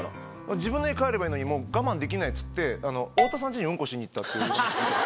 自分の家帰ればいいのに、我慢できないっていって、太田さんちにうんこしに行ったっていう。